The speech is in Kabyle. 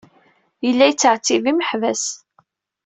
Yella yettɛettib imeḥbas.